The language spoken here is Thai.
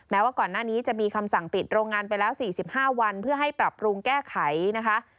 ว่าก่อนหน้านี้จะมีคำสั่งปิดโรงงานไปแล้ว๔๕วันเพื่อให้ปรับปรุงแก้ไขนะคะ